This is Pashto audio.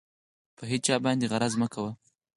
په هېچا باندې غرض مه کوئ.